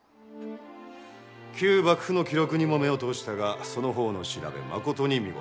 旧幕府の記録にも目を通したがそのほうの調べ誠に見事。